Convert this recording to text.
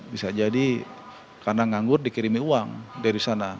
bisa jadi karena nganggur dikirimi uang dari sana